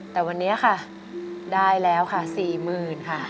แต่วันนี้ค่ะได้แล้วค่ะ๔๐๐๐ค่ะ